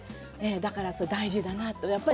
だから大事だなと思って。